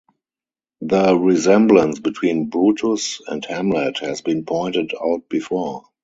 The resemblance between Brutus and Hamlet has been pointed out before.